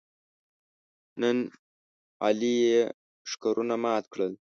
نن علي یې ښکرونه مات کړل.